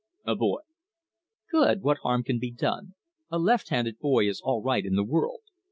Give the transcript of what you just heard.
"A boy." "Good! What harm can be done? A left handed boy is all right in the world.